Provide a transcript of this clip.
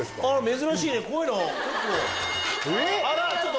珍しいね。